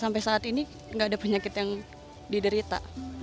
sampai saat ini nggak ada penyakit yang diderita